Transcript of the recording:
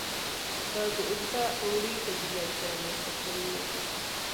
دا د اوږده اوړي په جریان کې رامنځته شوي وو